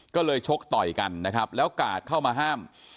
ก็เลยชกต่อยกันนะครับแล้วกาดเข้ามาห้าม